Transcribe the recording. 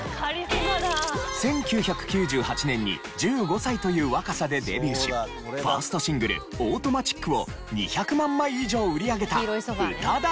１９９８年に１５歳という若さでデビューしファーストシングル『Ａｕｔｏｍａｔｉｃ』を２００万枚以上売り上げた宇多田ヒカル。